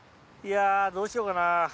やどうしようかな。